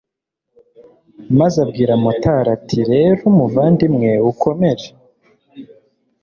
maze abwira motari ati rero muvandimwe ukomere